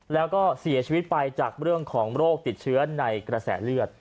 แล้วก็เสียชีวิตไปจากเรื่องของโรคติดเชื้อในกระแสเลือด